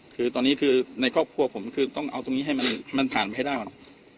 คือตอนนี้คือในครอบครัวผมคือต้องเอาตรงนี้ให้มันผ่านไปให้ได้หรอก